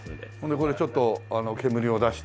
これちょっと煙を出して。